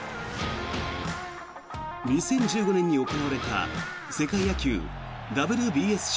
２０１５年に行われた世界野球ＷＢＳＣ